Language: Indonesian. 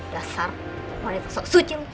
dasar wanita sok suci lu